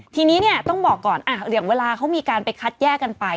ทีนี้เนี่ยต้องบอกก่อนเหลืองเวลาเขามีการไปคัดแยกกันไป